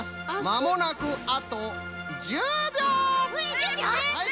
まもなくあと１０びょう！